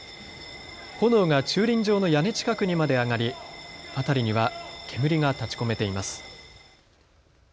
炎が駐輪場の屋根近くにまで上がり辺りには煙が立ちこめています。